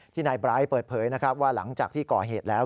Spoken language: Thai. ที่นายไบรท์เปิดเผยว่าหลังจากที่ก่อเหตุแล้ว